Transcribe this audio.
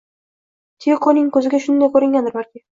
Tiyokoning ko`ziga shunday ko`ringandir, balki